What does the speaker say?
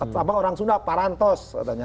sama orang sunda parantos